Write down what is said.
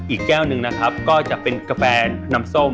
อีกแก้วหนึ่งนะครับก็จะเป็นกาแฟน้ำส้ม